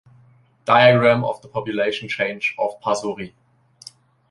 Diagram of the population changes of Pasori.